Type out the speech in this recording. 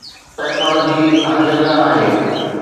technology هر جڳهه آهي